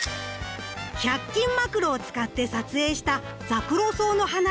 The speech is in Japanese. １００均マクロを使って撮影したザクロソウの花。